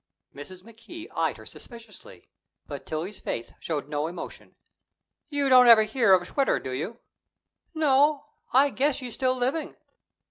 Mrs. McKee eyed her suspiciously, but Tillie's face showed no emotion. "You don't ever hear of Schwitter, do you?" "No; I guess she's still living."